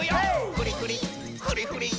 「フリフリフリフリ」